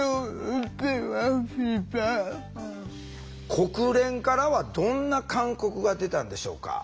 国連からはどんな勧告が出たんでしょうか？